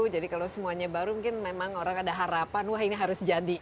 jadi kalau semuanya baru mungkin memang orang ada harapan wah ini harus jadi